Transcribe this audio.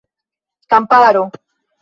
kamparo